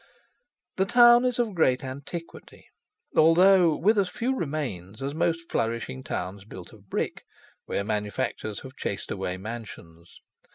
The town is of great antiquity, although with as few remains as most flourishing towns built of brick, where manufactures have chased away mansions.